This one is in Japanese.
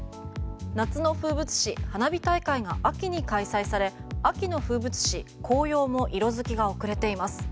夏の風物詩、花火大会が秋に開催され秋の風物詩、紅葉も色づきが遅れています。